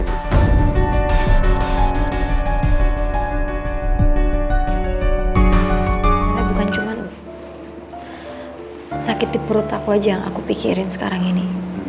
karena bukan cuman sakit di perut aku aja yang aku pikirin sekarang ini